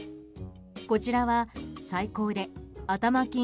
こちらは最高で頭金